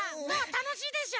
たのしいでしょ？